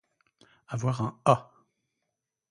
Avoir un a